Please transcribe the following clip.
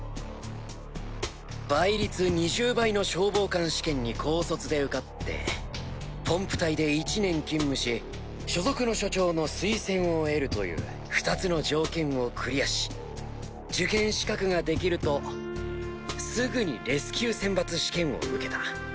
倍率２０倍の消防官試験に高卒で受かってポンプ隊で１年勤務し所属の所長の推薦を得るという２つの条件をクリアし受験資格ができるとすぐにレスキュー選抜試験を受けた